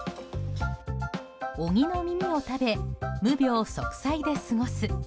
鬼の耳を食べ無病息災で過ごす。